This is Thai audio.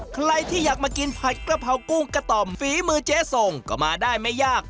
ใครที่อยากมากินผัดกระเพรากุ้งกระต่อมฝีมือเจ๊ทรงก็มาได้ไม่ยาก